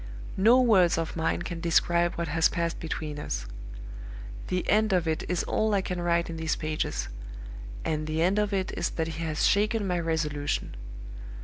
No words of mine can describe what has passed between us. The end of it is all I can write in these pages; and the end of it is that he has shaken my resolution.